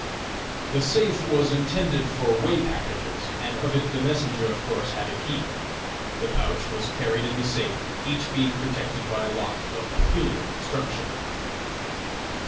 The safe was intended for way packages, and of it the messenger of course had a key. The pouch was carried in the safe, each being protected by a lock of peculiar construction.